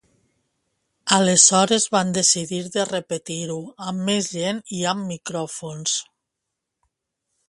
Aleshores van decidir de repetir-ho amb més gent i amb micròfons.